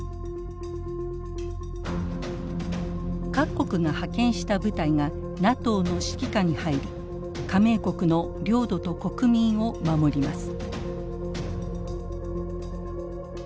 各国が派遣した部隊がＮＡＴＯの指揮下に入り加盟国の領土と国民を守ります。